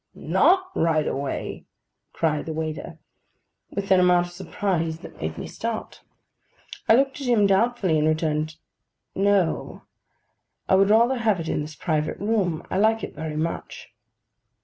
'Not right away?' cried the waiter, with an amount of surprise that made me start. I looked at him doubtfully, and returned, 'No; I would rather have it in this private room. I like it very much.